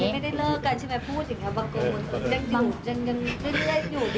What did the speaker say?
เจอแล้วไม่ได้เลิกกันใช่ไหมพูดอย่างนี้บังเอิญ